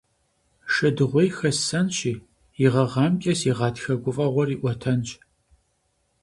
Шэдыгъуей хэссэнщи, и гъэгъамкӀэ си гъатхэ гуфӀэгъуэр иӀуэтэнщ.